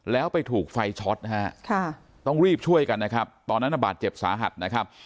แล้วไปถูกไฟช็อตนะฮะต้องรีบช่วยกันนะครับตอนนั้นบาดเจ็บสาหัสนะครับ